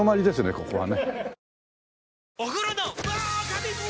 ここはね。